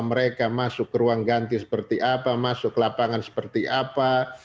mereka masuk ke ruang ganti seperti apa masuk ke lapangan seperti apa